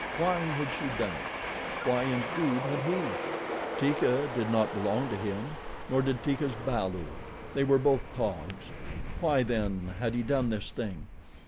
Why had she done it? Why, indeed, had he? Teeka did not belong to him, nor did Teeka's balu. They were both Taug's. Why then had he done this thing?